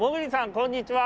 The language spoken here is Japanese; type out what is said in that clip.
こんにちは。